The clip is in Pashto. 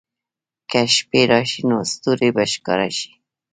که شپې راشي، نو ستوري به ښکاره شي.